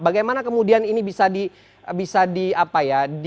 bagaimana kemudian ini bisa di apa ya